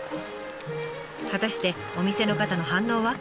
果たしてお店の方の反応は？